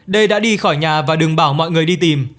đê đã đi khỏi nhà và đừng bảo mọi người đi tìm